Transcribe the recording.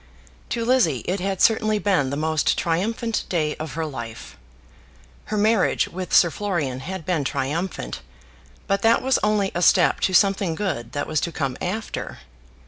To Lizzie it had certainly been the most triumphant day of her life. Her marriage with Sir Florian had been triumphant, but that was only a step to something good that was to come after.